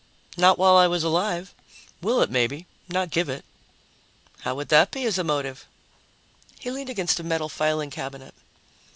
"Not while I was alive. Will it, maybe, not give it." "How would that be as a motive?" He leaned against a metal filing cabinet.